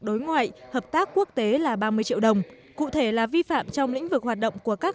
đối ngoại hợp tác quốc tế là ba mươi triệu đồng cụ thể là vi phạm trong lĩnh vực hoạt động của các